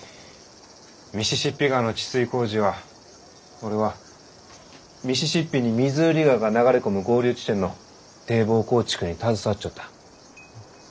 ミシシッピ川の治水工事は俺はミシシッピにミズーリ川が流れ込む合流地点の堤防構築に携わっちょった。